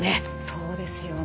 そうですよね。